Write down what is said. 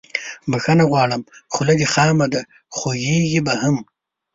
بخښنه غواړم خوله دې خامه ده خوږیږي به هم